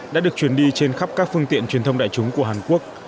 đã được chuyển đi trên khắp các phương tiện truyền thông đại chúng của hàn quốc